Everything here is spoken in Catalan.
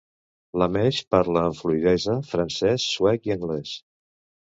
Lameche parla amb fluïdesa francès, suec i anglès.